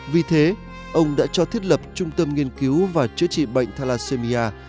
vì thế ông đã cho thiết lập trung tâm nghiên cứu và chữa trị bệnh thalacemia